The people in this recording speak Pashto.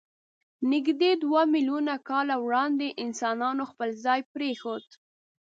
نږدې دوه میلیونه کاله وړاندې انسانانو خپل ځای پرېښود.